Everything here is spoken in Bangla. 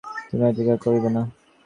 তুমি যেমন আজ্ঞা করিবে তাই করিব।